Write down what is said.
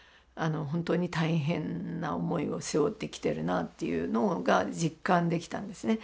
本当に大変な思いを背負って来てるなっていうのが実感できたんですね。